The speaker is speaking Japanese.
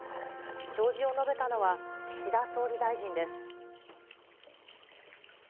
弔辞を述べたのは、岸田総理大臣です。